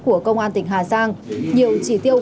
của công an tỉnh hà giang nhiều chỉ tiêu